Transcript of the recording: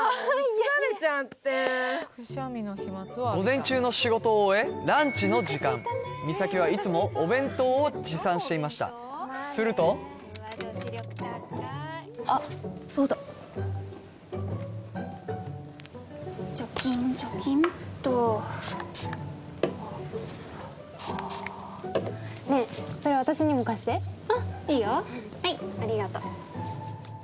午前中の仕事を終えランチの時間美咲はいつもお弁当を持参していましたするとあっそうだあねえありがと